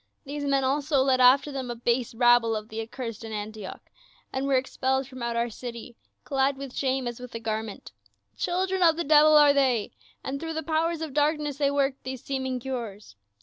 "These men also led after them a base rabble of the accursed in Antioch, and were expelled from out our city, clad with shame as with a 294 PA UL. garment. Children of the devil are they, and throuj^h the powers of darkness they work these seeming cures.